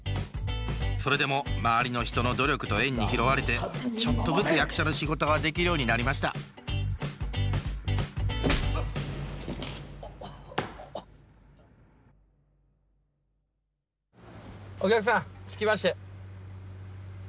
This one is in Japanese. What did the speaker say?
それでも周りの人の努力と縁に拾われてちょっとずつ役者の仕事ができるようになりましたお客さん着きましたよ。